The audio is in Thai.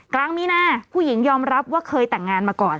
กลางมีนาผู้หญิงยอมรับว่าเคยแต่งงานมาก่อน